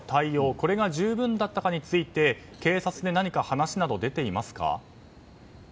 これが十分だったかについて警察で何か話など出ていますか？